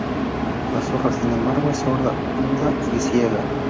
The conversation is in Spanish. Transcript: La zorra, sin embargo, es sorda, muda y ciega.